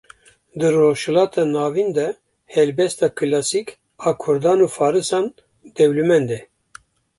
Di rojhilata navîn de helbesta kilasîk a Kurdan û farisan dewlemend e